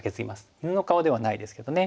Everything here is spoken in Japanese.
犬の顔ではないですけどね。